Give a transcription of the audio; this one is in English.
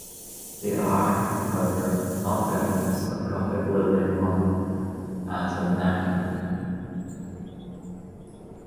They are, however, not evidence of Gothic living on as a vernacular.